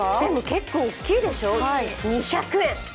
結構大きいでしょ、２００円。